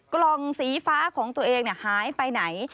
กล่องสีฟ้าของตัวเองหายไปไหน